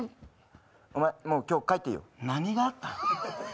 お前、もう今日帰っていいよ。何があったん？